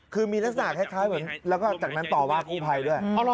คือมีลักษณะคล้ายเหมือนแล้วก็จากนั้นต่อว่ากู้ภัยด้วย